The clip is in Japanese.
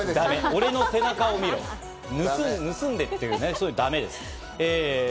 俺の背中を見ろとか、盗んでっていうのはだめです。